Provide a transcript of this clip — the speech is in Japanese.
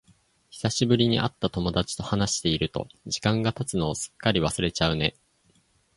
久しぶりに会った友達と話していると、時間が経つのをすっかり忘れちゃうね。